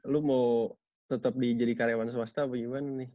lo mau tetap jadi karyawan swasta apa gimana nih